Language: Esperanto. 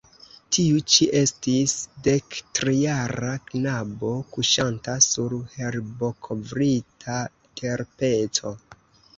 Tiu ĉi estis dektrijara knabo, kuŝanta sur herbokovrita terpeco.